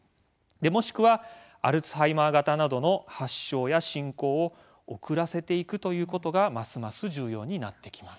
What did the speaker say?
もしくはアルツハイマー型などの発症や進行を遅らせていくということがますます重要になってきます。